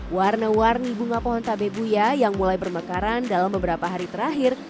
warna warni bunga pohon tabebuya yang mulai bermekaran dalam beberapa hari terakhir